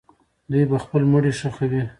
دوی به خپل مړي ښخوي.